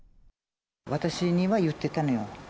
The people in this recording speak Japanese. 私には言ってたのよ。